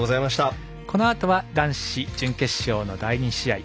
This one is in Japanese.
このあとは男子準決勝の第２試合。